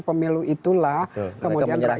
pemilu itulah kemudian